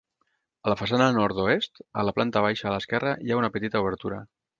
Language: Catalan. A la façana nord-oest, a la planta baixa a l'esquerra hi ha una petita obertura.